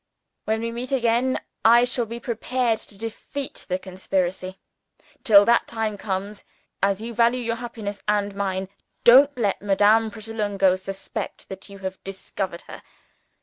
"When we meet again, I shall be prepared to defeat the conspiracy. Till that time comes as you value your happiness and mine, don't let Madame Pratolungo suspect that you have discovered her.